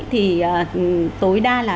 thì tối đa là